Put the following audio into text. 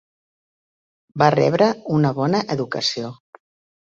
Va rebre una bona educació.